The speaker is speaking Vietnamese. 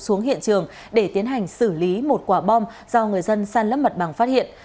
xuống hiện trường để tiến hành xử lý một quả bom do người dân san lấp mặt bằng phát hiện